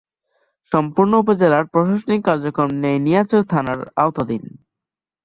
সম্পূর্ণ উপজেলার প্রশাসনিক কার্যক্রম নানিয়ারচর থানার আওতাধীন।